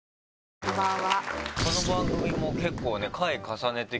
こんばんは。